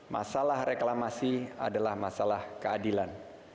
masalah reklamasi adalah masalah keadilan